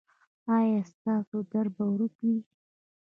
ایا ستاسو درد به ورک وي؟